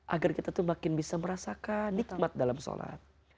agar kita tuh makin bisa merasakan nikmat dalam sholat